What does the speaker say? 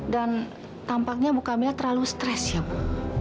dan tampaknya ibu kamila terlalu stres ya bu